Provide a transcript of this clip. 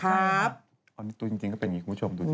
เพราะตัวจริงก็เป็นอย่างนี้คุณผู้ชมดูสิ